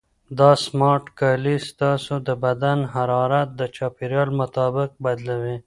دا سمارټ کالي ستاسو د بدن حرارت د چاپیریال مطابق بدلوي.